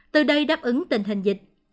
từ đây đáp ứng tình hình dịch